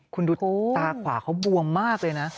คุณดูตาขวาเขาบวมมากเลยนะ